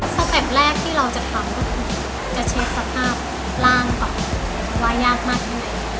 เต็ปแรกที่เราจะทำก็คือจะเช็คสภาพร่างก่อนว่ายากมากแค่ไหน